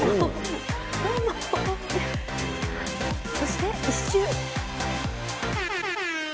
そして１周。